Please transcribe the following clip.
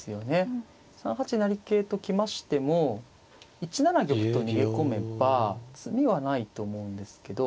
３八成桂と来ましても１七玉と逃げ込めば詰みはないと思うんですけど。